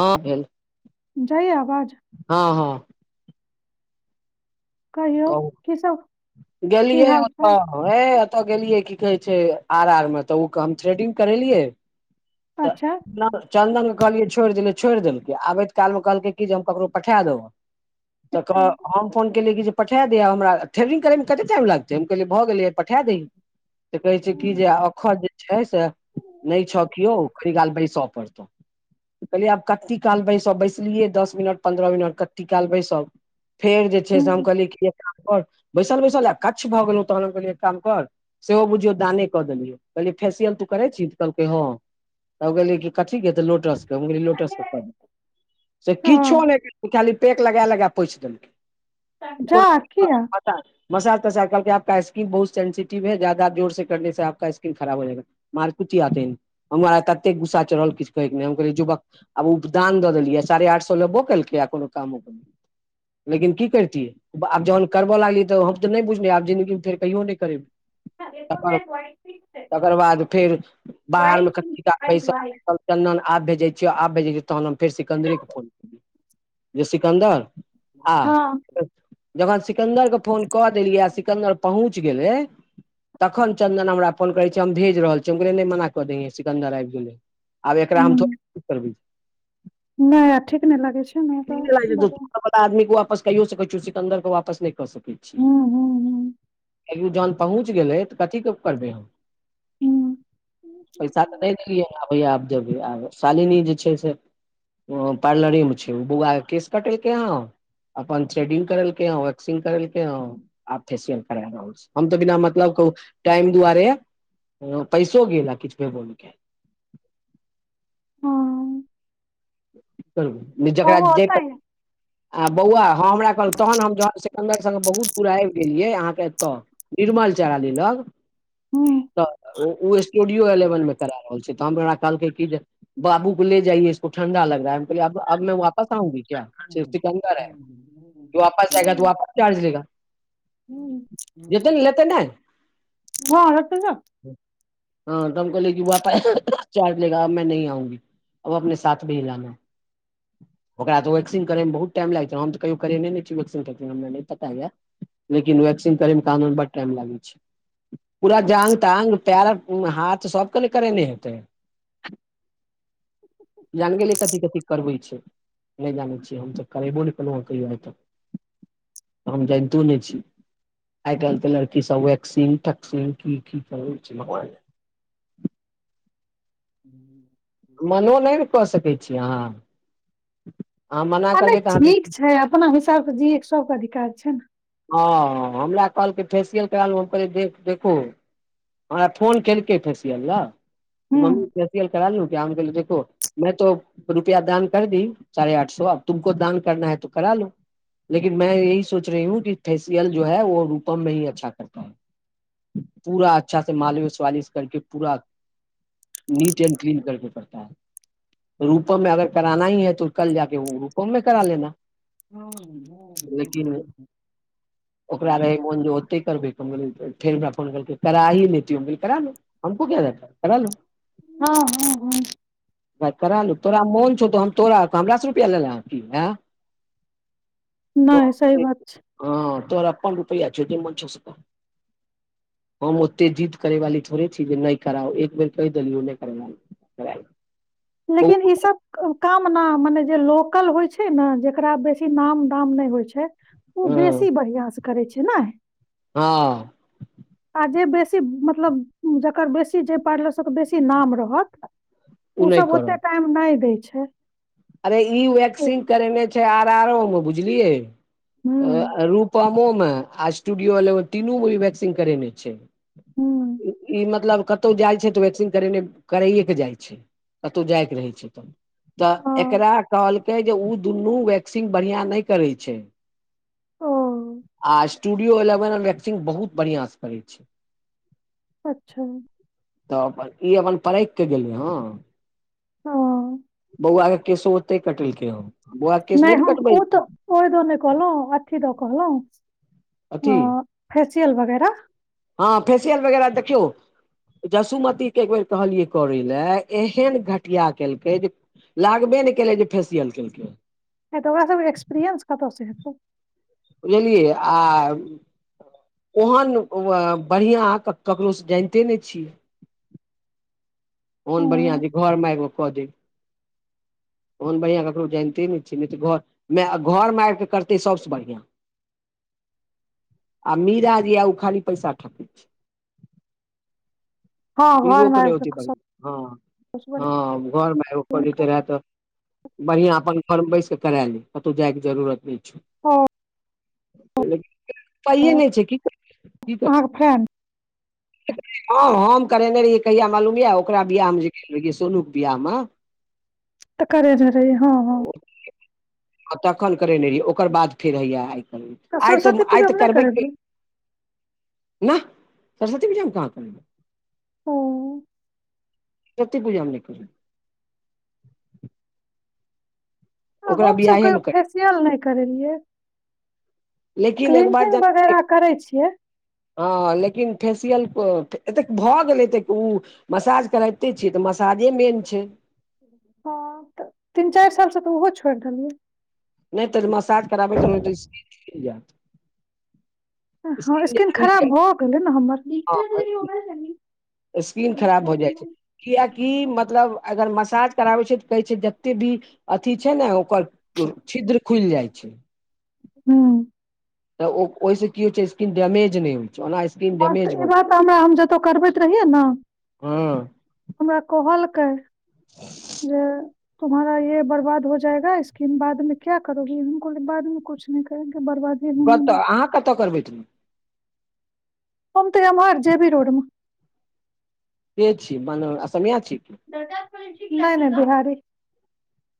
हँ भेल जाइया आवाज हँ हँ कहियौ कहु की सब की गेलियै हाल ओऽत छै हे एतऽ गेलियै की कहे छै आर आर मे तऽ ओ हम थ्रेडिंग करेलियै त अच्छा [unintelligible] चन्दन के कहलियै छोड़ि देलै छोड़ि देलकै आबैत कालमे कहलकै की जे हम ककरो पठा देबह तऽक हँ हम फोन केलियै कि जे पठा दिअ हमरा थेरिंग करय में कतेक टाइम लागतै हम कहलियै भऽ गेलियै पठा दही त कहै छै की अखज छै से नहि छौ केओ कनी गाल बैसऽ पड़तौ कहलियै आब कती काल बैसभ बैसलियै दस मिनट पन्द्रह मिनट कती नालबै सभ फेर जे छै से हम कहलियै कि एक काम कर बैसल बैसल आ कच्छ भऽ गेलहु तहन हम कहलियै एक काम कर सेहो बुझियौ दाने कऽ देलियै कहलियै फैशियल तू करे छी तऽ कहलकै हँ तब कही कथि के त लोटस के हम कहालिये लोटस के क दो से किछो नै पेक लगा लगा पोइछ देलके झ [unintelligible] ह [unintelligible] मसाज तसाज कहलकै आपका स्किन बहुत सेंसिटिव है जादा जोर से करने से स्किन खराब हो जाएगा मार पुतियाते हमरा तते गुसा चरहल किछु कहै के नै हम कहलीयै युवक आब उपदान दऽ देलियै सारे आठ सो लेबो केलकै आ कोनो कामो के नइ लेकिन की करतियै आब जहन करबऽ लागलि तऽ हम तऽ नहि बुझलिय आब जिन्दगीमे फेर कहियो नहि करेबै तकर तकर बाद फेर बाहरमे कती काल बैसल बैसल चन आब भेजै छियै आब भेजै छ तहन हम फेर सिकन्दरे के फोन सिकन्दर आ हँ जखन सिकन्दर के फोन कऽ देलियै आ सिकन्दर पहुँच गेलै तखन चंन्दन हमरा फोन करै छी हम भेज रहल छियौ हम कहलियै नहि मना कऽ दैये सिकंन्दर आबि गेलै आब एकरा हम थोड़ क करबै नहि ठीक नहि लागे छै हम त आदमीे क वापस को सकै छी सिकन्दर के वापस नहि कऽ सकै छी हुँ हुँ हुँ क जहन पहुँच गेलै तऽ कथीे करबै हम हुँ पैसा तऽ नहि [unintelligible] देलियैबै आब देबैआ शालिनी जे छै से ओ पार्लरे मे छै ओ बुआ के केश कटेलकै हं अपन थ्रेडिंग करेलकै हं वैकसिंग करेलकै हं आप फेसियल करा रह हम तऽ बिना मतलब कह टाइम दुआरे पैसो गेला किछ मे बोल के हँ जकरा बौआ जे ओतय या आ बौआ हँ हमरा कहल तहन हम जन्दर बहुत पूरा आब गेल ये अहाँके एतऽ निर्मल चारा लेलक हुँ त ओ स्टूडियो एलेवन में करा रहल छै तऽरा कहलकै कि जे बाबू ले जाइऐ ईसको ठण्डा लग रहा है आउ क्य स के अन्दर है वापस आएगा त वापस चार्ज लेगा जतन लेत नहि हँ रखने जा हँ तऽ हम कहले कि ब चार्ट लेगा नहि आउी अब अपने साथ भी ह लाना ओकरा तऽ ओ व करे मे बहुत टाइम लाग हम तऽ क करे नहि पताय लेकिन वेकसीन करे में कान ब टाइम लागे छै पूरा जांग तांग पैर हाथ सबके ल करेने हेतै है जानगे ल एक कथी कथी करबै छै नहि जान हम तऽ करेबो नहि केलहु हँ कहियो आइ तक हम जानितो नहि छी आइ काल्ह त लड़की सब वेकक्सिंग टक्सिंगग की की कर छै मोबाइल में हूँ मनो नहि ने कऽ सकैत छी अहाँ अहाँ मना ह करबै तऽ अहाँ ठीक छै अपना हिसाबसे जिय केसबके अधिकार छै ने हं हमरा कहलकै फेसियल करल हम कहले देख देखू हमरा फोन केल कै फेसियल लऽ जे मम्मी हूँ फेसियल करा लहु कऽ कह देखो में तो रुपआ दान कर दी साढ़े आठ सो अब तुमको दान करना है तो करा लो लेकिन मैं यही सोच रही हूँ कि फेसियल जो है वो रूपम में ही अच्छा करता है पूरा अच्छा से मालव स्वालिश करके पूरा नीट एं्ड क्लीन करके पड़ता ह रूपम में अगर कराना ही त कल जाकर रूपम मे करा लेना हँ लेकिन हँ ओकरा रहै मौन जे ओते करबे फेर हमरा फोन करा ही लोल करा लो हमको क देता करा लो हँ हँ [inaudible] कर तोरा मोन छौ तो हम तोरा हमरा रुपआ लेलेे नहि सही बात छै ह तोर अपन रुपैआ छौ जे मोन छौ से कर हम ओते जीद करै वाली थोड़े छी जे नहि कराउ एक बेर कहि देलियौ नहि करी [unintelligible] कर लेकिन ई सब कामना मने जे लोकल होइ छै ने जेकरा बेसी नाम दाम नहि होइ छै ओ हँ बेसी बढ़िआँसँ करै छै ने हँ आ जे बेसी मतलब जकर बेसी जे पारलर सबके बेसी नाम रहत ओ नहि सब ओते करत टाइम नहि दय छै अरे ई वेक्सिंग करेने छै आर आर ओ मे बुझलियए हूँ रूपम मोम स्टूडियो तीनू ओ वैक्सिंग करेने छै हूँ ई मतलब कत कतहु जाइ छै तऽ वैक्सिन करेने करैएके जाइ छै कतौ जाइके रहै छै तब ओ तऽ एकरा कहलकै जे ओ दुनू वैक्सीन बढ़ियां नहि करे छै ओ आ स्टूडियो एलेवन वैक्सिंग बहुत बढ़िआं से करै छै अच्छा तऽ अपन ई अपन परैख के गेलिय हँ ओ बौआ के केसो ओते कटिलके हो नहि हम ओ तऽ ओहि द नहि कहलहु अथी द कहलहु अथि हँ फसियल वगैरा देखियौ जसुमतीे कऽ एक बेेर कहलियै करै लए एहन घटिया केलकै जे लागबे नहि केलकै जे फेसियल केलकै। नहि तऽ ओकराके एक्सपीरियंस कतयसँ हेतै। बुझलियै आय। ओहन बढ़िआँ ककरोसँ जानिते नहि छियै। कोन बढ़िआँ अं, छै, घरमे एगो कऽ देब। ओहन बढ़िआँ ककरो जनिते नहि छियै, नहि तऽ घरमे आबि कऽ करतै, सभसँ बढ़िआँ। आ मीरा जेया, ओ खाली पैसा ठक छै। हँ ई रोक घरमे नहि आबि होती प कऽ सब हँ हँ घरमे कोनी त रहत बढ़िआँ, अपन फॉर्म बैस कऽ करा लेब, कतहु जाइके जरूरत नहि छै। ओ पइए नहि छै कि? अहाँके फ्रेंड। हँ, हम करेने रहियै। कहिया मालूम यऽ, ओकरा बियाहमे, जे सोनूके बियाहमे। [inaudible] तऽ कर धर, हँ हँ। तखन करेने रहियै, ओकर बाद फेर होइए आज काल्हि। आइ तऽ सरस्वती आइ तऽ पूजामे नहि करबै, करेलियै ने सरस्वती पूजा हम कहाँ करबै। ओ कतेक पूजा मे लेट ओकरा हमसभ बियाहे मे कोनो करै फेसियल नहि करेलियै। लेकिन एक बात क्लीनिंग जानै छियै, वगैरह करै छियै। हँ, लेकिन फेसियल एतेक भऽ गेलै, एतेक ओ। मसाज करबैते छियै तऽ मसाजे मेन छै। हँ तऽ, तीन चारि सालसँ तऽ ओहो छोड़ि देलियै। नहि तऽ मसाज करबैत [unintelligible] रहित। हँ, स्किन छुटि खराब जायत भऽ गेलै ने हमर। हँ स्किन खराब भऽ जाइ छै। किएकि मतलब, अगर मसाज कराबै छै तऽ कहै छै जतेक भी अथी छै ने, ओकर छिद्र खुलि जाइ छै। हू तऽ ओहिसँ की होइ छै? स्किन डैमेज नहि होइ? चो आइ स्किन हँ तऽ, डैमेज ई भऽ बात हमरा हम जतहु करबैत रहियै ने। हँ हमरा कहलकै जे। तोहर ई स्किन बर्बाद भऽ जेतै, बादमे की करबऽ? बादमे किछु नहि करबऽ, बर्बाद। कतऽ अहाँ, कतऽ करबै तऽ? हम त एमहर जेबी रोडम प छी म असामिया छी नहि नहि, बिहारी।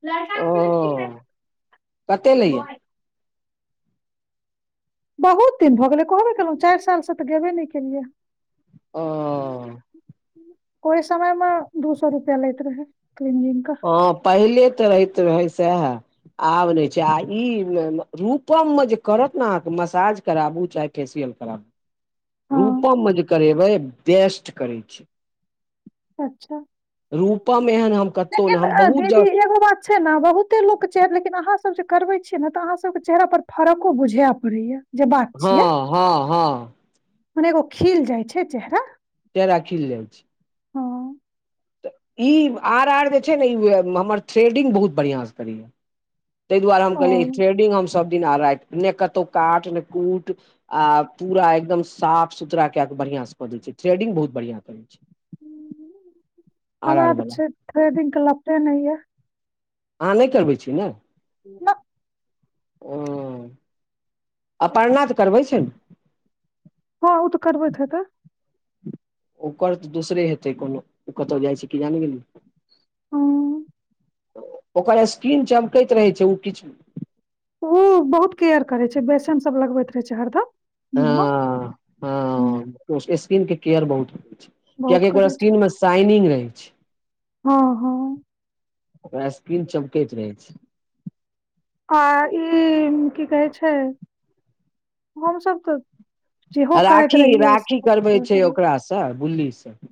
लड़का ओ [inaudible] कते लैया बहुत दिन भऽ गेलै, कहबे केलहुँ, चारि सालसँ तऽ गेने नहि केलियै। ओ ओहि समयमे दू सए रुपआ लैत रहै कऽ। हँ, पहिले तऽ रहैत रहै सएह। आब नहि छै, आ ई रूपमे जे करत ने, अहाँके मसाज कराबू चाहे। फेसियल करबै। हँ रूपममे जे करै छै, बेस्ट करै छै। अच्छा रूपामे एहन हम कतहु ने, लेकिन हम अ, बहुत दीदी जगह एगो बात छै ने, बहुते लोकके छै, लेकिन अहाँसभ जे करबै छियै ने, तऽ अहाँसभके चेहरापर फरक बुझा पड़ै छै। हँ हँ हँ मने एगो खिलि जाइ छै चेहरा। चेहरा खिलि जाइ छै। हँ तऽ ई आर आर जे छै ने, ई हमर थ्रेडिंग बहुत बढ़िआँसँ करैए। ताहि दुआरे हम ओ कहलियै, थ्रेडिंग हम सभ दिन राति ने कतहु काटि कूटि। आ पूरा एकदम साफ-सुथरा कऽ कऽ बढ़िआँसँ कऽ दैत छै, थ्रेडिंग बहुत बढ़िआँ करैत छै। आर आर हमरा बला तऽ थ्रेडिंगके लपेट नहि यऽ। अहाँ नहि करबै छी ने [inaudible] ओ अपर तऽ करबै छै ने ह ओ तऽ करबैत हे तऽ ओकर तऽ दोसरे हेतै कोनो ओ कतहु जाइ छै क जान गेली आ ओकर स्किन चमकैत रहै छै किछु ओउ बहुत केयर करै छै बेसन सब लगबैत रहै छै हरदम निमक ह ह स्किन के केयर बहुत हो छै बहुत कियकि ओ करै छै स्किन में साइनिंग रहै छै हँ हँ ओकरा स्किन चमकैत रहै छै आ ई की कहे छै हमसभ तऽ जे करैत रहियै बली [unintelligible]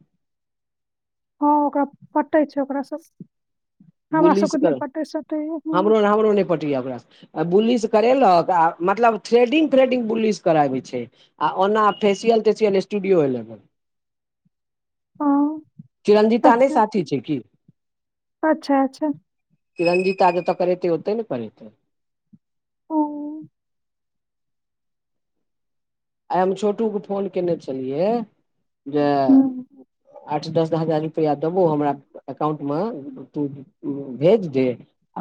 हँ ओकरा पटै छै ओकराँ सब सँ हमरा सबके नै पटै सटै य हँ नै पटै ओक बु्लिस करेलक आ मतलब थ्रेडिंग थ्रेडिंग बु्लिस कराबे छै आ ओना फेसियल तेसियल स्टूडियो ए लग हँ चिरंजीत नहि अच्छा साथी छै की अच्छा अच्छा तरंजी जतऽ करेतै ओते ने करेतै ओ आइ हम छोटूके फोन कयने छलियै जे हूँ आठ दस हजार रुपैआ देबौ हमरा एकाउंट मे तु भेज दे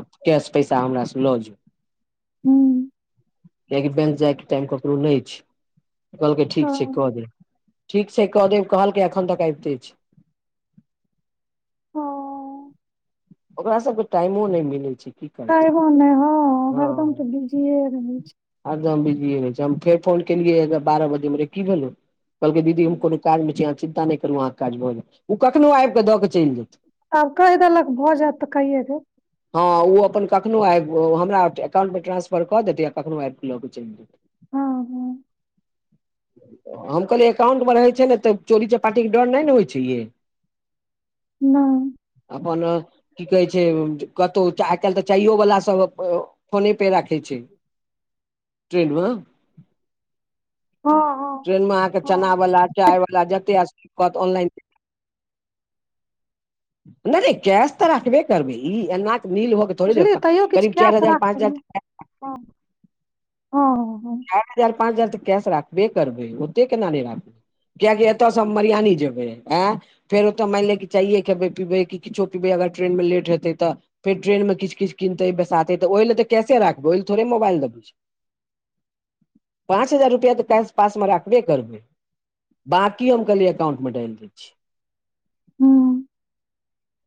आब कैश पैसा हमरा से लो जो हूँ कियकि बैंक जाय के टाइम ककरो नहि छै कहलकै ठीक छै हँ क देब ठीक छै कऽ देब कहलकै एखन तक अबिते छै ह ओकरा सब के टाइमो नहि मिलै छै की तइ करतै गुने हँ हँ एकरदम तऽ बिजी रहै छै एकदम बिजीए रहै छै हम फेर फोन केलियै बारह बजेमे रे की भेलै कहलकै दीदी हम छै कोनो काज में छैह चिन्ता नहि करू अहाँके काज भऽ जा ओ कखननो आबिकऽ दऽ के चलि जेत आब कहि देलक भऽ जायत तऽ कहिये दे हँ ओ अपन कखनो आबि हमरा अकाउंटमे ट्रांसफर कऽ देतै आ कखनो आबि क लऽ कऽ चलि जेतै हँ हँ हम कहलियै एकाउंट में रहै छै ने तऽ चोरी चपाटीक के डर नहि ने होइ छै ये नय अपन की कहै छै कतहु आइ काल्ह तऽ चाइयो वला सब फोने पे राखे छै ट्रेड में हँ हँ ट्रेन मे अहाँके चना हँ वला चाय वला जते कनलाइन नहि र कश तऽ राखबे करबिही एना नील होके थोड़े बुझलियै जाएब तैयो किछु करीब कए चारि कऽ हजार पाँच राखलियै हजार हँ हँ हँ हँ चार हजार पाँच हजार तऽ कैश राखबे करबै ओते केना नहि राखबै किआकि एतयसँ हम मरियानी जेबै आयं फेर ओ तऽ मैन ले चायए कि पीब किछो पीब अगर ट्रैन मे लेट हेते त फेर ट्रनमे किछ किछु किनतैाते त ओहि ल तऽ कैेाबैहि ल थोड़े मोबइल देै पाँच हजार रुपैआ तऽ क पास में राखबे करबै बाकी हम कहली अकाउंटमे डालि दै छीिय हूँ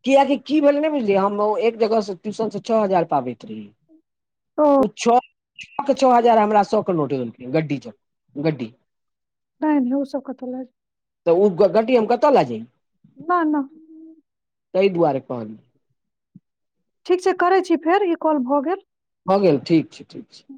किआकि की भेलै ने बुझलियै हम एक जगह से ट्यूशन से छओ हजार पाबैत रही ओ छ छओ के छओ हजार हमरा सौख नोटे ग्ी च ग्डी नहि नहि ओ सबके तऽ तऽ ओ गट्टी हम कतऽ लए जइब न न ताहि दुआरे कहलौ ठीक छै करै छी फेर ई कॉल भऽ गेल भऽ गेल ठीक छै ठीक छै